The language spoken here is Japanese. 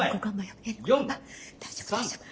大丈夫大丈夫。